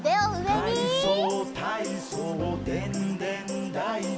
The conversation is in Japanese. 「かいそうたいそうでんでんだいこ」